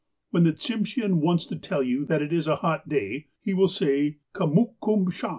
When the Tsimsheau wants to tell you that it is a hot day, he will say "kemmukum sha."